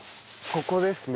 ここですね。